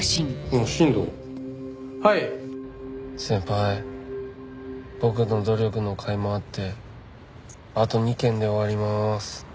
先輩僕の努力のかいもあってあと２件で終わりまーす。